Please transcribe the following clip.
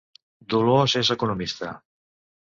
Dolors és economista